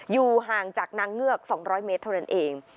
อยู่ห่างจากนางเงือก๒๐๐เมตรเท่านั้นเอง